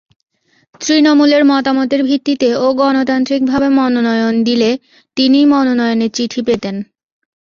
তৃণমূলের মতামতের ভিত্তিতে ও গণতান্ত্রিকভাবে মনোনয়ন দিলে তিনিই মনোনয়নের চিঠি পেতেন।